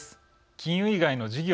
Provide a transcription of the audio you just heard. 金融以外の事業